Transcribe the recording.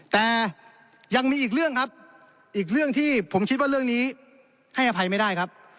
แต่ยังมีอีกเรื่องครับอีกเรื่องที่ผมคิดว่าเรื่องนี้ให้อภัยไม่ได้ครับ